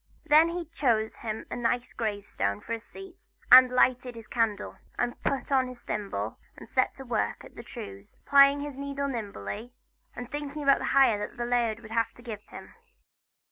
Then he chose him a nice grave stone for a seat and he lighted his candle, and put on his thimble, and set to work at the trews, plying his needle nimbly, and thinking about the hire that the laird would have to give him.